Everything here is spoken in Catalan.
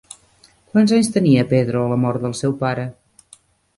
Quants anys tenia Pedro a la mort del seu pare?